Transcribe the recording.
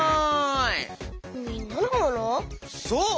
そう！